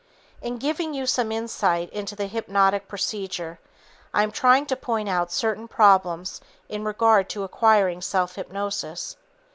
In giving you some insight into the hypnotic procedure, I am trying to point out certain problems in regard to acquiring self hypnosis.